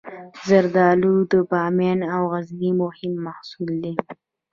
زردالو د بامیان او غزني مهم محصول دی.